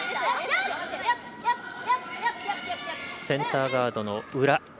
センターガードの裏。